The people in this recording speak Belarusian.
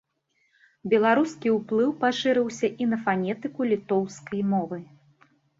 Беларускі ўплыў пашырыўся і на фанетыку літоўскай мовы.